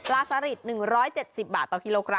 สลิด๑๗๐บาทต่อกิโลกรั